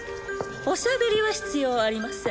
おしゃべりは必要ありません